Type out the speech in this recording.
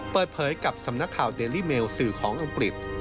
เปิดเผยกับสำนักข่าวเดลลี่เมลสื่อของอังกฤษ